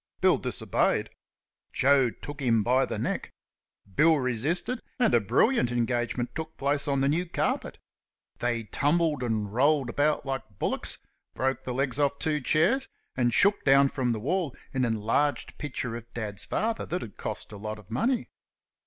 Bill disobeyed. Joe took him by the neck. Bill resisted, and a brilliant engagement took place on the new carpet. They tumbled and rolled about like bullocks, broke the legs of two chairs, and shook down from the wall an enlarged picture of Dad's father that had cost a lot of money.